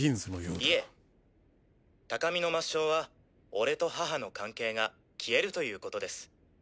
いえ鷹見の抹消は俺と母の関係が消えるということです。